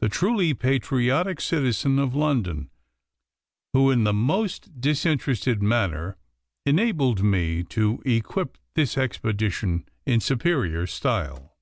the truly patriotic citizen of London, who, in the most disinterested manner, enabled me to equip this expedition in superior style.